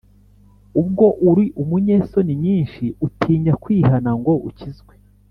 ubwo uri umunyesoni nyinshi, utinya kwihana ngo ukizwe